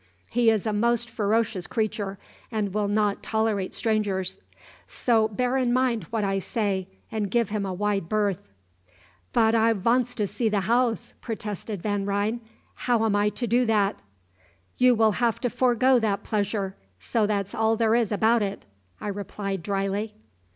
He is a most ferocious creature, and will not tolerate strangers; so bear in mind what I say and give him a wide berth." "Bud I vants to see the house," protested Van Ryn. "How am I to do that?" "You will have to forgo that pleasure, so that's all there is about it," I replied dryly.